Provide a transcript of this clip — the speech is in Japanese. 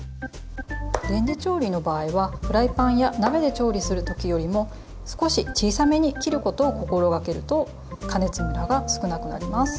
レンジ調理の場合はフライパンや鍋で調理する時よりも少し小さめに切ることを心掛けると加熱ムラが少なくなります。